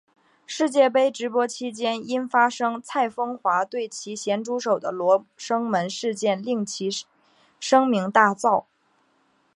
世界杯直播期间因发生蔡枫华对其咸猪手的罗生门事件令其声名大噪。